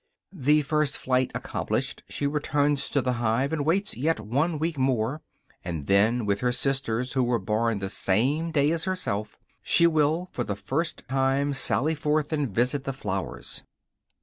The first flight accomplished, she returns to the hive, and waits yet one week more; and then, with her sisters, who were born the same day as herself, she will for the first time sally forth and visit the flowers.